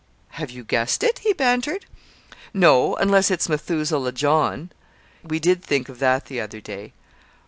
"Have you guessed it?" he bantered. "No unless it's 'Methuselah John.' We did think of that the other day."